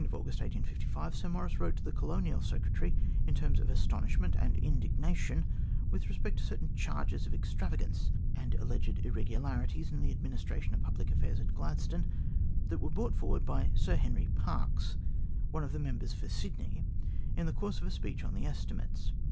On August 24, 1855, Sir Maurice wrote to the Colonial Secretary, in terms of astonishment and indignation, with respect to certain charges of extravagance and alleged irregularities in the administration of public affairs at Gladstone, that were brought forward by Sir Henry Parkes, one of the members for Sydney, in the course of a speech on the estimates.